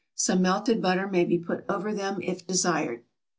Some melted butter may be put over them if desired.